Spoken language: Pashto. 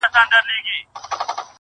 څه به وسي دا یوه که پکښي زما سي,